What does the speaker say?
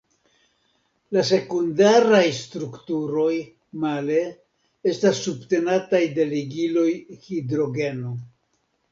La sekundaraj strukturoj, male, estas subtenataj de ligiloj hidrogeno.